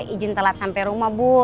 izin telat sampai rumah bu